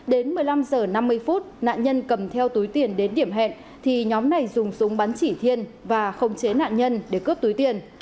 đến một mươi năm h năm mươi nạn nhân cầm theo túi tiền đến điểm hẹn thì nhóm này dùng súng bắn chỉ thiên và không chế nạn nhân để cướp túi tiền